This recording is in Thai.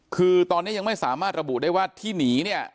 คือตอนนี้ยังไม่สามารถระบุได้ว่าที่หนีเนี่ย